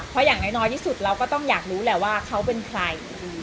เพราะอย่างน้อยที่สุดเราก็ต้องอยากรู้แหละว่าเขาเป็นใคร